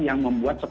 yang membuat sekolah